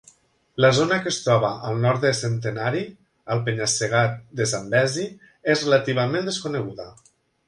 La zona, que es troba al nord de Centenary, al penya-segat de Zambezi, és relativament desconeguda.